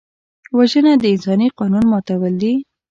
وژنه د انساني قانون ماتول دي